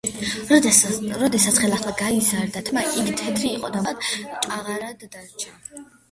როდესაც ხელახლა გაეზარდა თმა, იგი თეთრი იყო და მუდმივად ჭაღარად დარჩა.